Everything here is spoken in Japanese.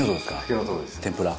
天ぷら。